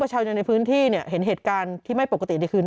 ประชาในพื้นที่เนี่ยเห็นเหตุการณ์ที่ไม่ปกติในคืน